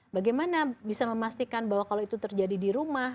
bagaimana bisa memastikan bahwa kalau itu terjadi di rumah